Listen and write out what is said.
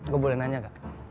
gue boleh nanya kak